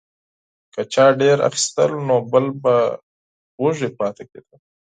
که چا ډیر اخیستل نو بل به وږی پاتې کیده.